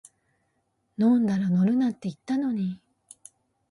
飲んだら乗るなって言ったのに